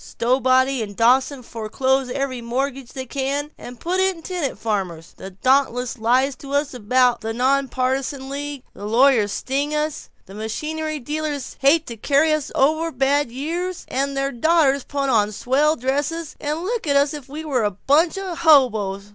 Stowbody and Dawson foreclose every mortgage they can, and put in tenant farmers. The Dauntless lies to us about the Nonpartisan League, the lawyers sting us, the machinery dealers hate to carry us over bad years, and then their daughters put on swell dresses and look at us as if we were a bunch of hoboes.